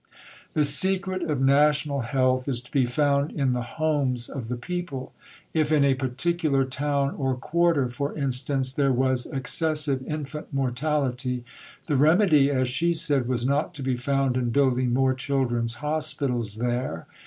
The secret of national health is to be found in the homes of the people. If in a particular town or quarter, for instance, there was excessive infant mortality, the remedy, as she said, was not to be found in building more children's hospitals there.